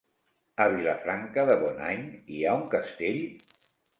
A Vilafranca de Bonany hi ha un castell?